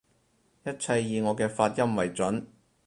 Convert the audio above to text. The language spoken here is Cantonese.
一切以我嘅發音爲準